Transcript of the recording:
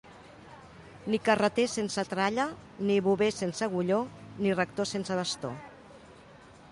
Ni carreter sense tralla, ni bover sense agulló, ni rector sense bastó.